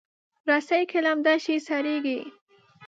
رسۍ که لمده شي، سړېږي.